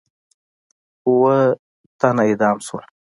اووه تنه اعدام شول.